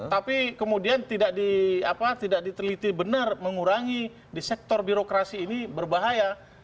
tapi kemudian tidak diteliti benar mengurangi di sektor birokrasi ini berbahaya